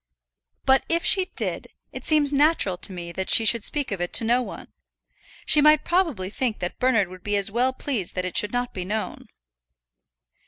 "But if she did, it seems natural to me that she should speak of it to no one. She might probably think that Bernard would be as well pleased that it should not be known."